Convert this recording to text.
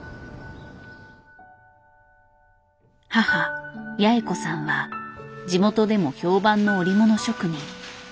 母八重子さんは地元でも評判の織物職人。